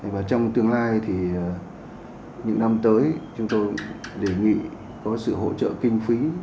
và trong tương lai thì những năm tới chúng tôi đề nghị có sự hỗ trợ kinh phí